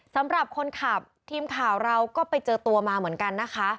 สำหรับคนขับทีมข่าวเราก็ไปเจอตัวมาเหมือนกันนะคะ